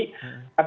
apa yang terjadi